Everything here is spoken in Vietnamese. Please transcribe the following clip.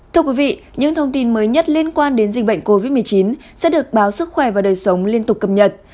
thưa quý vị những thông tin mới nhất liên quan đến dịch bệnh covid một mươi chín sẽ được báo sức khỏe và đời sống liên tục cập nhật